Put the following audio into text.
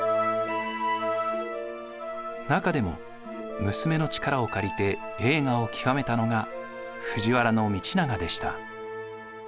中でも娘の力を借りて栄華を極めたのが藤原道長でした。